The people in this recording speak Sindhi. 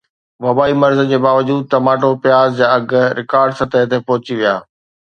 وبائي مرض جي باوجود ٽماٽو پياز جا اگهه رڪارڊ سطح تي پهچي ويا